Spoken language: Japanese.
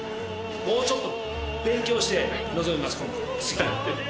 もうちょっと勉強して臨みます次は。